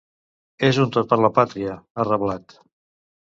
“És un tot per la pàtria”, ha reblat.